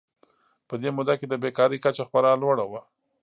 په دې موده کې د بېکارۍ کچه خورا لوړه وه.